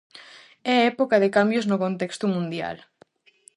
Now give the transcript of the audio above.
É época de cambios no contexto mundial...